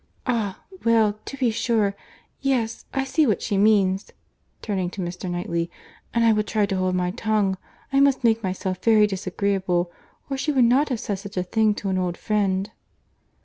"Ah!—well—to be sure. Yes, I see what she means, (turning to Mr. Knightley,) and I will try to hold my tongue. I must make myself very disagreeable, or she would not have said such a thing to an old friend."